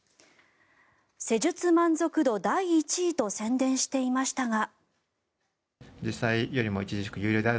施術満足度、第１位と宣伝していましたが。